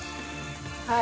はい。